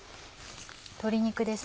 鶏肉です